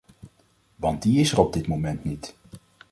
Want die is er op dit moment niet.